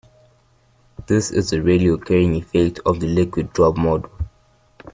This is a rarely occurring effect of the liquid drop model.